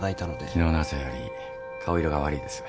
昨日の朝より顔色が悪いです。